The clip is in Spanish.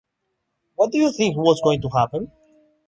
What Did You Think Was Going to Happen?